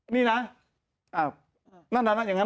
นี่นะอะนั่นนั่นอย่างนั้นใช่ไหม